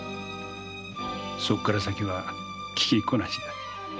そっから先は聞きっこなしだ。